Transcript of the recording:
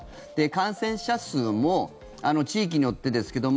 感染者数も地域によってですけど